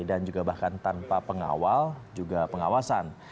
dan juga bahkan tanpa pengawal juga pengawasan